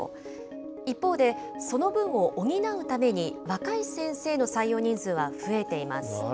一方で、その分を補うために、若い先生の採用人数は増えています。